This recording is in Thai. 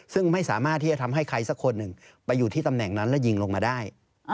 ซึ่งไม่สามารถที่จะทำให้ใครสักคนหนึ่งไปอยู่ที่ตำแหน่งนั้นแล้วยิงลงมาได้